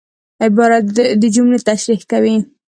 عبارت د جملې تشریح کوي.